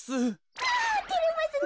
うわてれますね